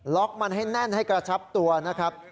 มันให้แน่นให้กระชับตัวนะครับ